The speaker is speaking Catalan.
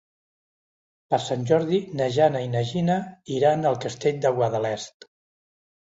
Per Sant Jordi na Jana i na Gina iran al Castell de Guadalest.